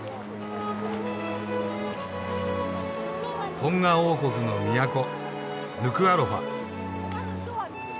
トンガ王国の都ヌクアロファ。